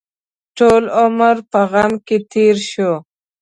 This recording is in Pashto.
ټول عمر په غم کې تېر شو.